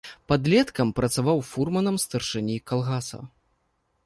Падлеткам працаваў фурманам старшыні калгаса.